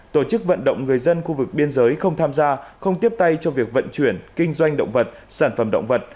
tổ chức vận động người dân khu vực biên giới không tham gia không tiếp tay cho việc vận chuyển kinh doanh động vật sản phẩm động vật